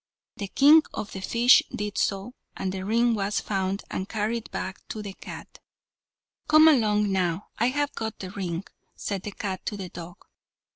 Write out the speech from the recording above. The king of the fishes did so, and the ring was found and carried back to the cat. "Come along now; I have got the ring," said the cat to the dog.